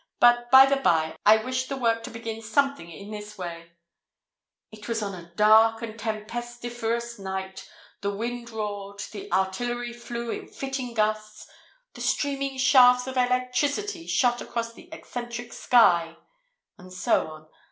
But, by the bye, I wish the work to begin something in this way—'_It was on a dark and tempestiferous night—the wind roared—the artillery flew in fitting gusts—the streaming shafts of electricity shot across the eccentric sky_,'—and so on.